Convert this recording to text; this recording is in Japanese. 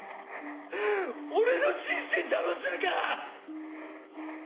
俺の人生邪魔するから！